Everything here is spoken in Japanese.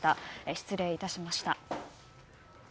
失礼いたしました。